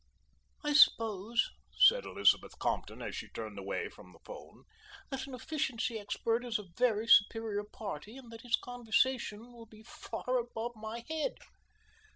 "I suppose," said Elizabeth Compton as she turned away from the phone, "that an efficiency expert is a very superior party and that his conversation will be far above my head."